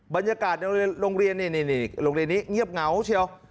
บรรยากาศในโรงเรียนนี่โรงเรียนนี้เงียบเหงาเชียว